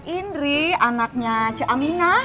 indri anaknya cik aminah